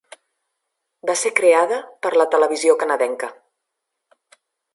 Va ser creada per la televisió canadenca.